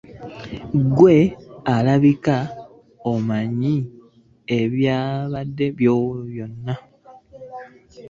Ggwe olabika omanyi ebibye byonna.